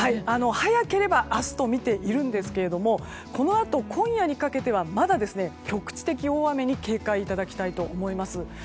早ければ明日とみていますがこのあと今夜にかけてはまだ、局地的大雨に警戒いただきたいと思います。